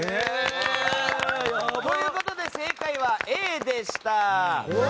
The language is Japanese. ということで正解はＡでした。